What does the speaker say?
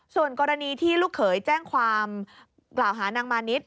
ส่วนกรณีที่ลูกเขยแจ้งความกล่าวหานางมานิด